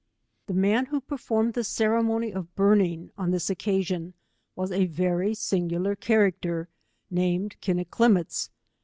The man who performed the cereniony of burning on this occasion, was a vc^ry siugular character, Hrimed Kinncdinmots.